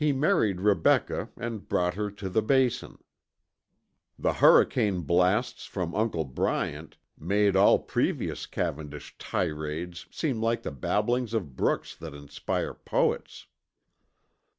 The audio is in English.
He married Rebecca and brought her to the Basin. The hurricane blasts from Uncle Bryant made all previous Cavendish tirades seem like the babblings of brooks that inspire poets.